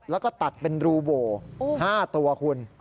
แล้วก็ตัดเป็นรูโหว๕ตัวคุณ